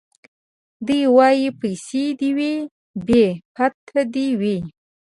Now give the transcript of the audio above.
دی وايي پيسې دي وي بې پت دي وي